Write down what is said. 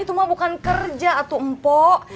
itu mah bukan kerja atau mpok